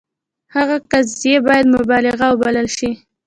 د هغه قضیې باید مبالغه وبلل شي.